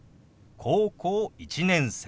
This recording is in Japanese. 「高校１年生」。